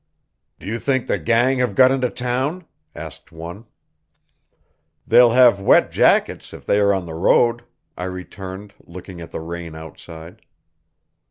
"Do you think the gang have got into town?" asked one. "They'll have wet jackets if they are on the road," I returned, looking at the rain outside.